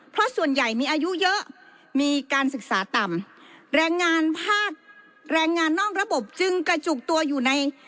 เพราะส่วนใหญ่มีอายุเยอะมีการศึกษาต่ำแรงงานภาคแรงงานนอกระบบจึงกระจุกตัวอยู่ใน